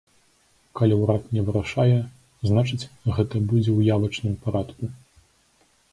Калі ўрад не вырашае, значыць, гэта будзе ў явачным парадку.